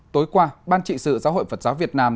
tối qua ban trị sự giáo hội phật giáo việt nam